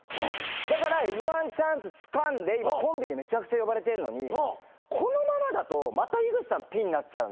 だからＭ−１チャンスつかんで今コンビでめちゃくちゃ呼ばれてんのにこのままだとまた井口さんピンになっちゃうんで。